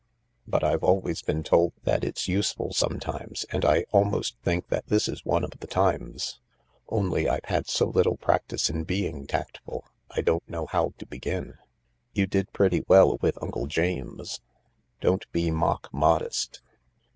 "... But I've always been told that it's useful some times, and I almost think that this is one of the times. Only I've had so little practice in being tactful — I don't know how to begin." " You did pretty well with Uncle James. Don't be mock modest."